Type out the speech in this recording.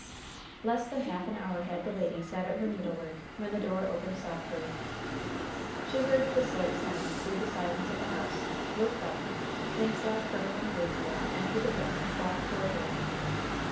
Less than half an hour had the lady sat at her needlework, when the door opened softly. She heard the slight sound through the silence of the house, looked up, and saw Col. Anglesea enter the room and walk toward her.